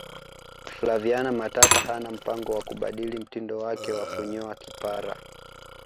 flaviana matata hana mpango wa kubadili mtindo wake wa kunyoa kipara